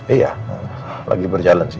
iya lagi berjalan sih